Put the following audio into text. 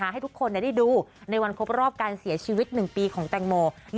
ให้ทุกคนได้ดูในวันครบรอบการเสียชีวิต๑ปีของแตงโม